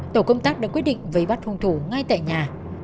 tổ công tác đã quyết định vấy bắt hung thủ ngay tại nhà